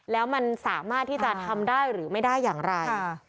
แล้วมันสามารถที่จะทำได้หรือไม่ได้อย่างไร